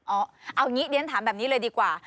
เอาอย่างนี้เรียนถามแบบนี้เลยดีกว่า